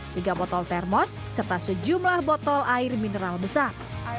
tiga botol termos serta sejumlah botol air mineral besar